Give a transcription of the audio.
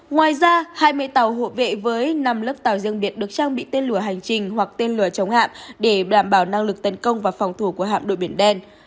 ngoài ra hai mươi tàu hộ vệ với năm lớp tàu riêng biệt được trang bị tên lửa hành trình hoặc tên lửa chống hạm để đảm bảo năng lực tấn công và phòng thủ của hạm đội biển đen